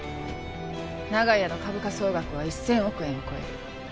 長屋の株価総額は１０００億円を超える。